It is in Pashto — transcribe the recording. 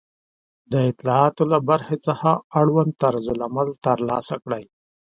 د اطلاعاتو له برخې څخه اړوند طرزالعمل ترلاسه کړئ